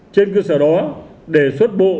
trên cơ sở đó để xuất bộ